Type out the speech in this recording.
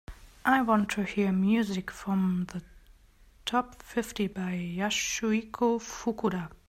I want to hear music from the top fifty by Yasuhiko Fukuda